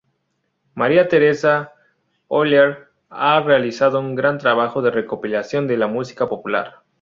María Teresa Oller ha realizado un gran trabajo de recopilación de la música popular.